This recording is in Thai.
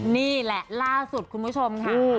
นี่แหละล่าสุดคุณผู้ชมค่ะ